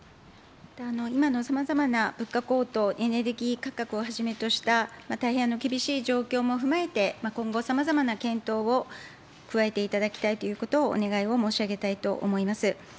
今のさまざまな物価高騰、エネルギー価格をはじめとした大変厳しい状況も踏まえて、今後さまざまな検討を加えていただきたいということをお願いを申し上げたいと思います。